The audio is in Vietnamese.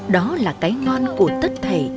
đó là cái ngon của tất thầy